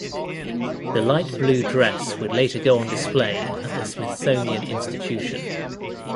The light blue dress would later go on display at the Smithsonian Institution.